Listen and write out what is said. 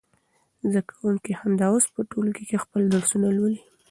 زده کوونکي همدا اوس په ټولګي کې خپل درسونه لولي.